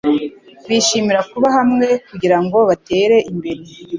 Bishimira kuba hamwe kugirango batere imbere.